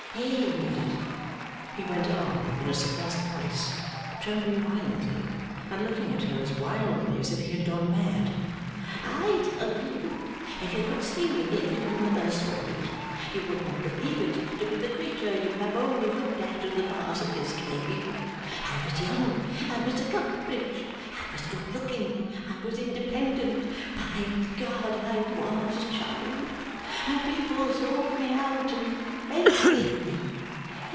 'Amy,' he went on in a suppressed voice, trembling violently, and looking at her as wildly as if he had gone mad. 'I tell you, if you could see me as your mother saw me, you wouldn't believe it to be the creature you have only looked at through the bars of this cage. I was young, I was accomplished, I was good looking, I was independent by God I was, child! and people sought me out, and envied me.